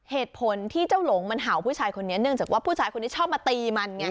เหตุผลที่เจ้าหลงมันเห่าผู้ชายคนนี้เนื่องจากว่าผู้ชายคนนี้ชอบมาตีมันไง